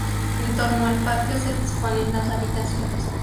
En torno al patio se disponen las habitaciones.